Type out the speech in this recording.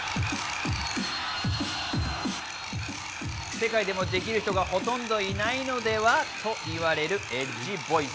世界でもできる人がほとんどいないのではと言われるエッジボイス。